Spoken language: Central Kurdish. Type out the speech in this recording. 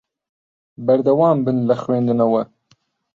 بەردەوام بن لە خوێندنەوە.